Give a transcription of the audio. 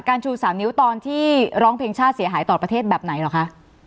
ชู๓นิ้วตอนที่ร้องเพลงชาติเสียหายต่อประเทศแบบไหนเหรอคะ